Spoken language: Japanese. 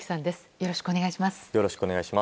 よろしくお願いします。